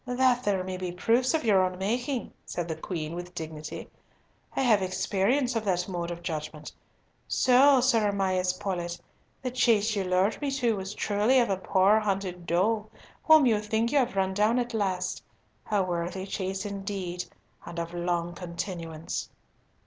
"That there may be proofs of your own making," said the Queen, with dignity. "I have experience of that mode of judgment. So, Sir Amias Paulett, the chase you lured me to was truly of a poor hunted doe whom you think you have run down at last. A worthy chase indeed, and of long continuance!"